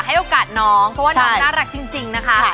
ให้โอกาสน้องเพราะว่าน้องน่ารักจริงนะคะ